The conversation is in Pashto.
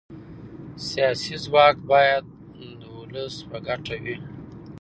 سیاسي ځواک باید د ولس په ګټه وي